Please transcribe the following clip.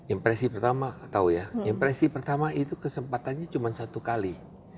impresi pertama tahu ya impresi pertama itu kesempatannya cuma satu kali